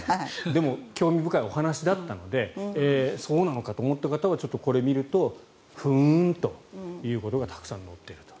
でも、興味深いお話だったのでそうなのかと思った方はこれを見るとふーんということがたくさん載っていると。